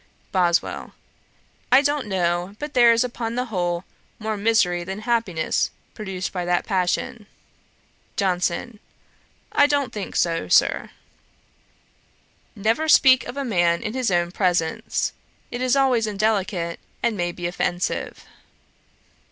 BOSWELL. 'I don't know but there is upon the whole more misery than happiness produced by that passion.' JOHNSON. 'I don't think so, Sir.' 'Never speak of a man in his own presence. It is always indelicate, and may be offensive.'